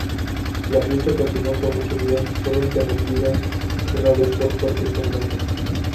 La fiesta continuó por muchos días, solo interrumpida una vez por fuertes tormentas.